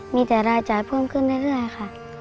มีแต่รายจ่ายเพิ่มขึ้นเรื่อยค่ะ